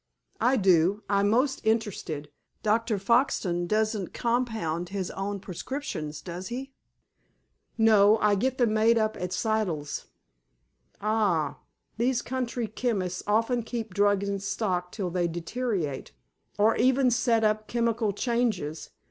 "I do. I'm most interested. Dr. Foxton doesn't compound his own prescriptions, does he?" "No. I get 'em made up at Siddle's." "Ah. These country chemists often keep drugs in stock till they deteriorate, or even set up chemical changes.